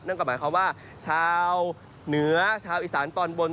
นั่นก็หมายความว่าชาวเหนือชาวอีสานตอนบน